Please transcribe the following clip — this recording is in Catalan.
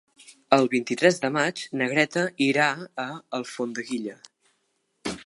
El vint-i-tres de maig na Greta irà a Alfondeguilla.